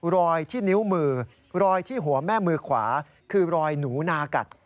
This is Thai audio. รอยที่นิ้วมือรอยที่หัวแม่มือขวาคือรอยหนูนากัด